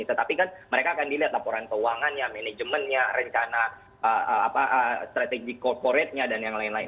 tetapi kan mereka akan dilihat laporan keuangannya manajemennya rencana strategi corporate nya dan yang lain lain